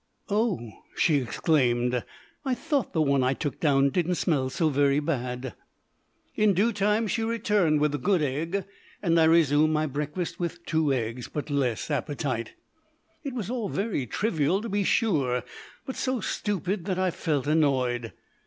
"Oh! " she exclaimed; "I thought the one I took down didn't smell so very bad." In due time she returned with the good egg, and I resumed my breakfast with two eggs, but less appetite. It was all very trivial, to be sure, but so stupid that I felt annoyed.